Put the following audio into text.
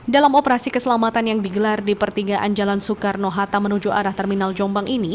dalam operasi keselamatan yang digelar di pertigaan jalan soekarno hatta menuju arah terminal jombang ini